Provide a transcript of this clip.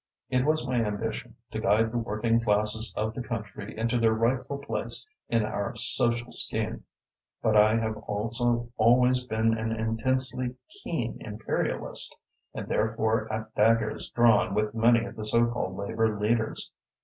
It was my ambition to guide the working classes of the country into their rightful place in our social scheme, but I have also always been an intensely keen Imperialist, and therefore at daggers drawn with many of the so called Labour leaders.